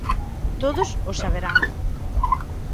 Todos os saberán.